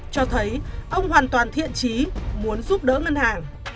cho thấy ông hoàn toàn thiện trí muốn giúp đỡ ngân hàng